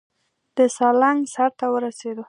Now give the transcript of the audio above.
د سالنګ سر ته ورسېدو.